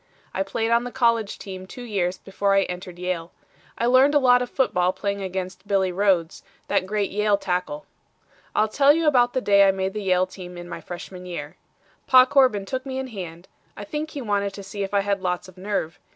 I played on the college team two years before I entered Yale. I learned a lot of football playing against Billy Rhodes, that great Yale tackle. "I'll tell you about the day I made the Yale team in my freshman year. Pa Corbin took me in hand. I think he wanted to see if I had lots of nerve.